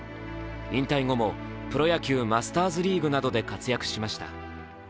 引退後も、プロ野球マスターズリーグなどで、活躍しました。